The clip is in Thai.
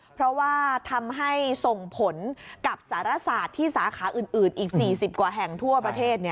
เพราะว่าทำให้ส่งผลกับสารศาสตร์ที่สาขาอื่นอีก๔๐กว่าแห่งทั่วประเทศ